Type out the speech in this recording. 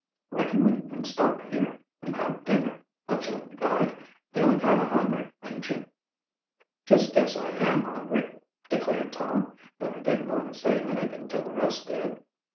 "Reckon we can stop here and have dinner," observed the guide. "Feelin' kind o' hungry, aint you?" "Just guess I am hungry," declared Tom "But I didn't want to say anything till the rest did."